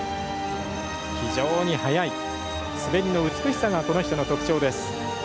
非常に速い滑りの美しさがこの人の特徴です。